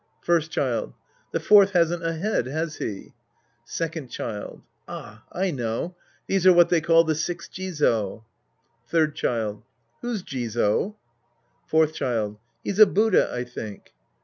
First Child. The fourth hasn't a head, has he ? Second Child. Ah, I know. These are what they call the Six Jizo. Third Child. Who's Jizo ? Fourth Child. He's a Buddha, I think.